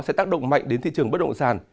sẽ tác động mạnh đến thị trường bất động sản